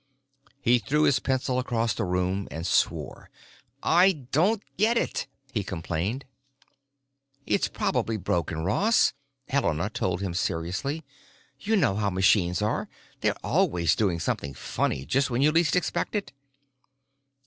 He threw his pencil across the room and swore. "I don't get it," he complained. "It's probably broken, Ross," Helena told him seriously. "You know how machines are. They're always doing something funny just when you least expect it."